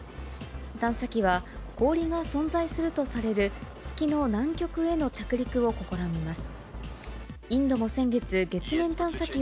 探査機は氷が存在するとされる月の南極への着陸を試みます。